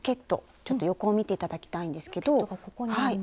ちょっと横を見て頂きたいんですけど。